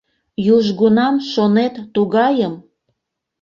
Южгунам шонет тугайым